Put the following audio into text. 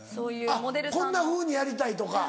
あっこんなふうにやりたいとか。